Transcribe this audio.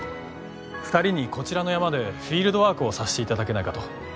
２人にこちらの山でフィールドワークをさしていただけないかと。